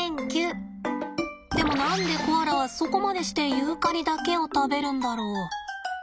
でも何でコアラはそこまでしてユーカリだけを食べるんだろ？